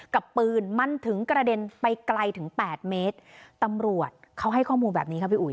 กับปืนมันถึงกระเด็นไปไกลถึงแปดเมตรตำรวจเขาให้ข้อมูลแบบนี้ครับพี่อุ๋